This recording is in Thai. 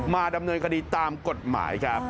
มาดำเนินคดีตามกฎหมายครับ